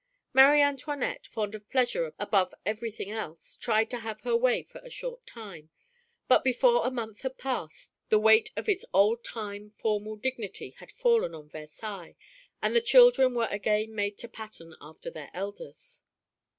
Marie Antoinette, fond of pleasure above everything else, tried to have her way for a short time, but before a month had passed, the weight of its old time formal dignity had fallen on Versailles, and the children were again made to pattern after their elders.